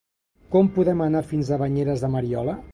Com podem anar fins a Banyeres de Mariola?